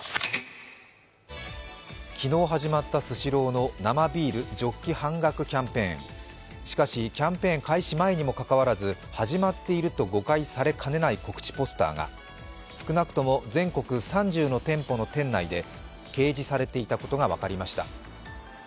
昨日始まったスシローの生ビールジョッキ半額キャンペーン、しかしキャンペーン開始前にもかかわらず始まっていると誤解されかねない告知ポスターが、少なくとも全国３０の店舗の店内で掲示されていたことが分かりました。